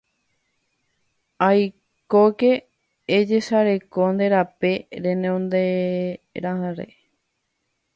Akóike ejesareko nde rape renonderãre